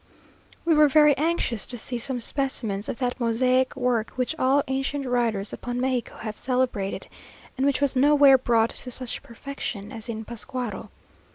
We were very anxious to see some specimens of that mosaic work which all ancient writers upon Mexico have celebrated, and which was nowhere brought to such perfection as in Pascuaro.